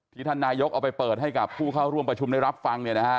ท่านนายกเอาไปเปิดให้กับผู้เข้าร่วมประชุมได้รับฟัง